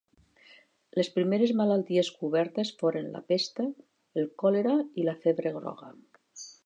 Les primeres malalties cobertes foren la pesta, el còlera i la febre groga.